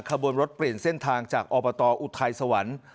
ขบวนรถเปลี่ยนเส้นทางจากอบตอุทัยสวรรค์